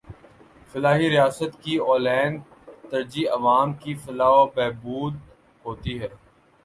فلاحی ریاست کی اولین ترجیح عوام کی فلاح و بہبود ہوتی ہے۔